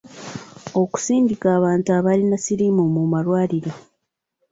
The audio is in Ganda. Okusindika abantu abalina siriimu mu malwaliro.